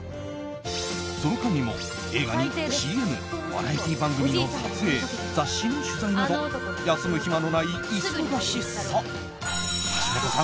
その間にも映画にＣＭバラエティー番組の撮影雑誌の取材など休む暇のない忙しさ。